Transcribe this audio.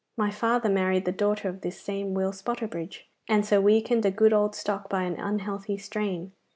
My father married the daughter of this same Will Spotterbridge, and so weakened a good old stock by an unhealthy strain.